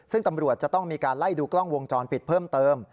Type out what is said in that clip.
ซึ่งตำรวจจะต้องมีการไล่ดูกล้องวงจรปิดเพิ่มเติม